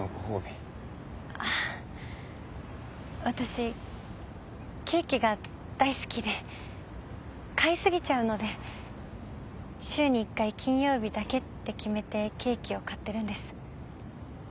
私ケーキが大好きで買いすぎちゃうので週に一回金曜日だけって決めてケーキを買ってるんです。